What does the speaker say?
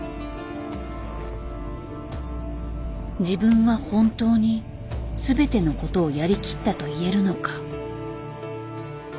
自分は本当に全てのことをやりきったといえるのか。